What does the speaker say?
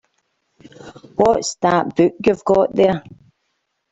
What's that book you've got there?